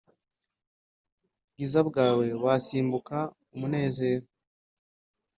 bwiza bwawe wasimbuka umunezero!